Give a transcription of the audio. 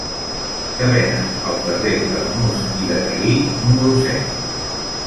Què venen al carrer d'Arnús i de Garí número set?